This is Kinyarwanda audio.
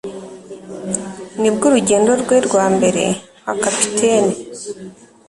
Nibwo urugendo rwe rwa mbere nka capitaine.